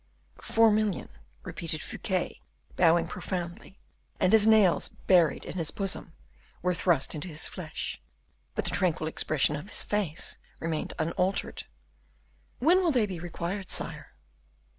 "Four million," repeated Fouquet, bowing profoundly. And his nails, buried in his bosom, were thrust into his flesh, but the tranquil expression of his face remained unaltered. "When will they be required, sire?"